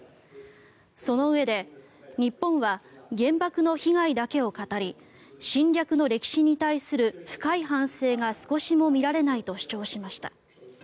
そのうえで日本は原爆の被害だけを語り侵略の歴史に対する深い反省が少しも見られないと主張しました。